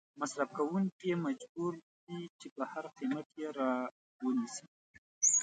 مصرف کوونکې مجبور دي چې په هر قیمت یې را ونیسي.